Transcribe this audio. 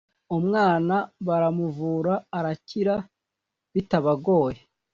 umwana baramuvura arakira bitabagoye